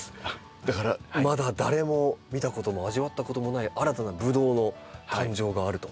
だからまだ誰も見たことも味わったこともない新たなブドウの誕生があると。